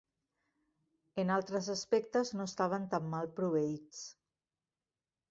En altres aspectes no estàvem tan mal proveïts.